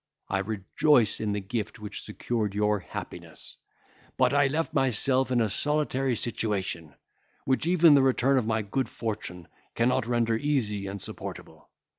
—I rejoice in the gift which secured your happiness. But I left myself in a solitary situation, which even the return of my good fortune cannot render easy and supportable.